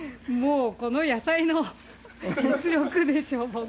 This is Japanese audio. もうこの野菜の実力でしょう。